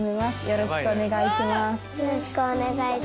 よろしくお願いします。